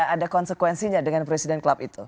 ada konsekuensinya dengan president s club itu